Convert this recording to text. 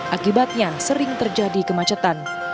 akibatnya sering terjadi kemacetan